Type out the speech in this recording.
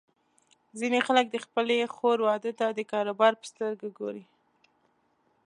ځینې خلک د خپلې خور واده ته د کاروبار په سترګه ګوري.